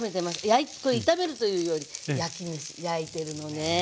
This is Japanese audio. これ炒めるというより焼きめし焼いてるのね。